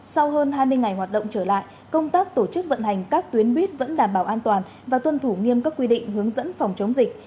sau hơn hai mươi ngày hoạt động trở lại công tác tổ chức vận hành các tuyến buýt vẫn đảm bảo an toàn và tuân thủ nghiêm các quy định hướng dẫn phòng chống dịch